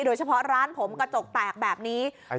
โดยเฉพาะร้านผมกระจกแตกแบบนี้